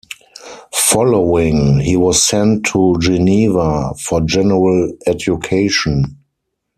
Following, he was sent to Geneva for general education.